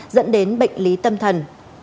dẫn đến bệnh lý tâm thần